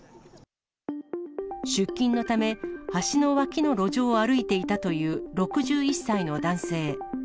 出勤のため、橋の脇の路上を歩いていたという６１歳の男性。